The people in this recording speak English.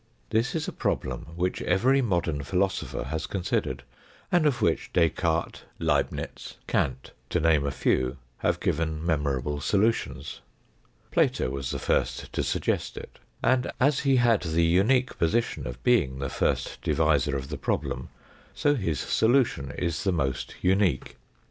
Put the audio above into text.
This is a problem which every modern philosopher has considered, and of which Descartes, Leibnitz, Kant, to name a few, have given memorable solutions. Plato was the first to suggest it. And as he had the unique position of being the first devisor of the problem, so his solution is the most unique.